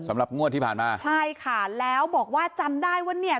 งวดที่ผ่านมาใช่ค่ะแล้วบอกว่าจำได้ว่าเนี่ย